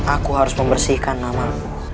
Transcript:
aku harus membersihkan namamu